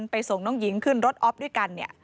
ไปส่งน้องหญิงขึ้นรถออฟด้วยกัน